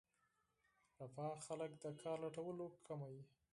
رفاه خلک د کار لټولو کموي.